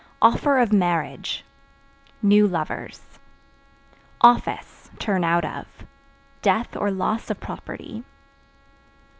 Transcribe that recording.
Offer of Marriage New lovers. Office (Turn out of) death or loss of property.